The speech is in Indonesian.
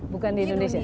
bukan di indonesia